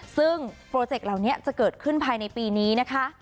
ซึ่งโปรเจกต์เหล่านี้จะเกิดขึ้นภายในปีนี้นะคะ